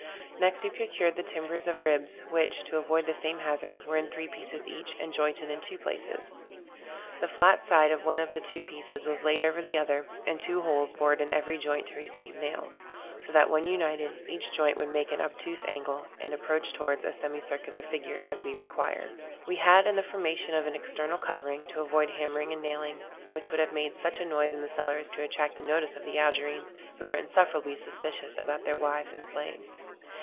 Next we procured the timbers of ribs, which, to avoid the same hazard, were in three pieces each, and jointed in two places. The flat side of one of the two pieces was laid over the other, and two holes bored in every joint to receive nails; so that when united, each joint would make an obtuse angle, and approach towards a semicircular figure, as we required. We had, in the formation of an external covering, to avoid hammering and nailing, which would have made such a noise in the cellar as to attract the notice of the Algerines, who are insufferably suspicious about their wives and slaves.